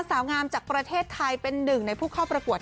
สาวงามจากประเทศไทยเป็นหนึ่งในผู้เข้าประกวด